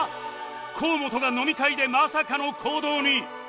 河本が飲み会でまさかの行動に！